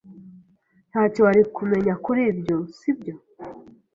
Ntacyo wari kumenya kuri ibyo, sibyo?